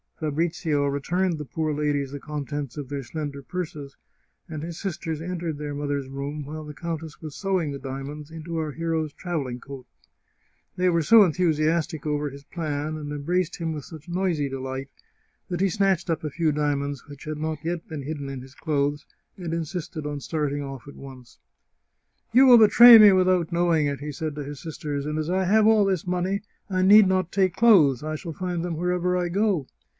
Fabrizio returned the poor ladies the contents of their slender purses, and his sisters entered their mother's room while the countess was sewing the diamonds into our hero's travelling coat. They were so enthusiastic over his plan, and embraced him with such noisy delight, that he snatched up a few diamonds, which had not yet been hidden in his clothes, and insisted on starting oflf at once. " You will betray me without knowing it !" he said to his sisters, " and as I have all this money I need not take clothes — I shall find them wherever I go."